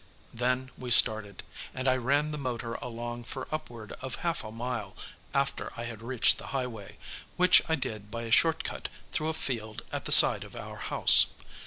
Then we started, and I ran the motor along for upward of half a mile after I had reached the highway, which I did by a short cut through a field at the side of our house.